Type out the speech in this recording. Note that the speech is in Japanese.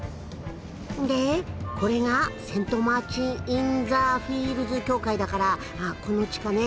でこれがセント・マーチン・イン・ザ・フィールズ教会だからこの地下ね。